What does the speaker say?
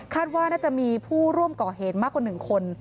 ว่าน่าจะมีผู้ร่วมก่อเหตุมากกว่า๑คน